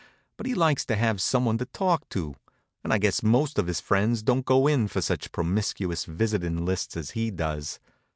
But he likes to have some one to talk to, and I guess most of his friends don't go in for such promiscuous visitin' lists as he does.